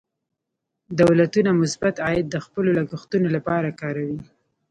دولتونه مثبت عاید د خپلو لګښتونو لپاره کاروي.